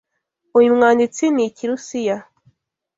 Uyu mwanditsi ni Ikirusiya.